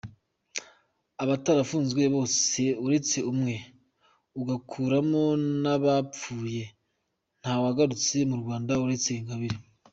Abatarafunzwe bose, uretse umwe, ugakuramo n’abapfuye, ntawagarutse mu Rwanda uretse Ingabire.